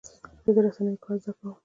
زه د رسنیو کار زده کوم.